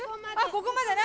ここまでね。